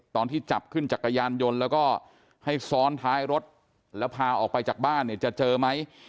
ตอนที่จับขึ้นจักรยานยนต์แล้วก็ให้ซ้อนท้ายรถแล้วพาออกไปจากบ้านเนี่ยจะเจอไหม